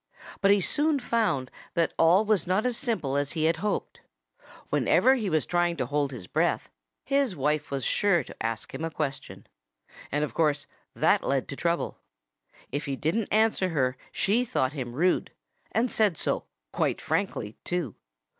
But he soon found that all was not as simple as he had hoped. Whenever he was trying to hold his breath his wife was sure to ask him a question. And of course that led to trouble. If he didn't answer her she thought him rude and said so, quite frankly, too.